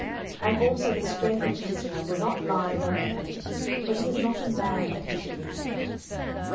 09:015:029 And also the Strength of Israel will not lie nor repent: for he is not a man, that he should repent.